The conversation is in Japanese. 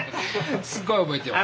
すっごい覚えてます。